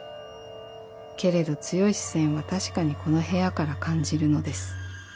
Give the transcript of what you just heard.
［けれど強い視線は確かにこの部屋から感じるのです］